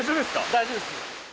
大丈夫です。